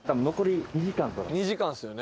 ２時間ですよね。